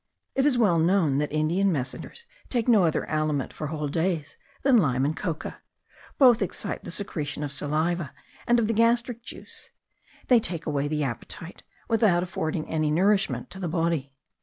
It is well known that Indian messengers take no other aliment for whole days than lime and coca: both excite the secretion of saliva, and of the gastric juice; they take away the appetite, without affording any nourishment to the body.